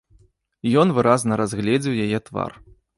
Ён выразна разгледзеў яе твар.